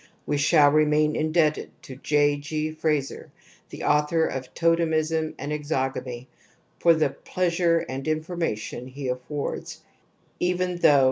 We shall remain indebted to J. G. Frazer, the author of Totemism and Eoaogamy ^, for the plea sure and information he affords, even though » 1910.